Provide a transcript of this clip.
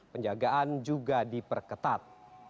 penjagaan juga diperketat